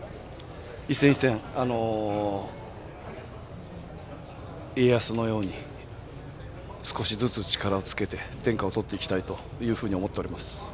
一戦一戦、家康のように少しずつ力をつけて天下をとっていきたいと思っております。